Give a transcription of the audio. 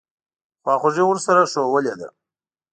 خواخوږي ورسره ښودلې وه.